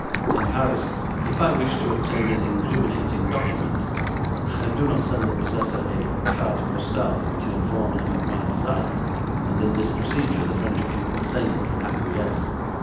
In Paris, if I wish to obtain an incriminating document, I do not send the possessor a carte postale to inform him of my desire, and in this procedure the French people sanely acquiesce.